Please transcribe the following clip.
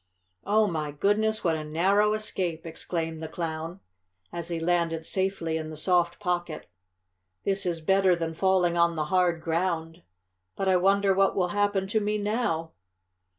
"Oh, my goodness me, what a narrow escape!" exclaimed the Clown as he landed safely in the soft pocket. "This is better than falling on the hard ground. But I wonder what will happen to me now."